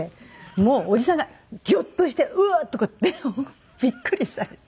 もうおじさんがギョッとして「うわっ」とかってびっくりされて。